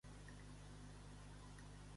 Permet generalitzar la propietat de distributiva.